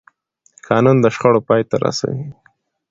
قانون د شخړو پای ته رسوي